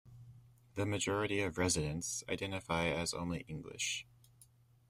The majority of residents identify as only English.